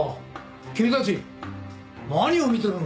君たち何を見てるんだ。